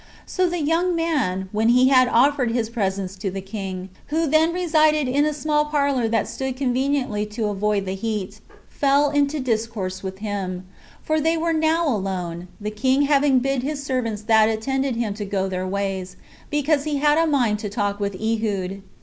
So the young man, when he had offered his presents to the king, who then resided in a small parlor that stood conveniently to avoid the heat, fell into discourse with him, for they were now alone, the king having bid his servants that attended him to go their ways, because he had a mind to talk with Ehud.